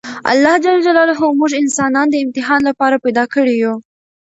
الله ج موږ انسانان د امتحان لپاره پیدا کړي یوو!